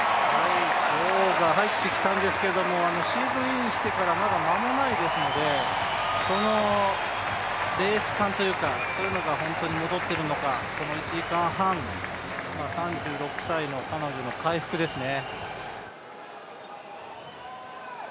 女王が入ってきたんですけども、シーズンインしてからまだ間もないですので、そのレース勘が戻っているのか、この１時間半、３６歳の彼女の回復ですね。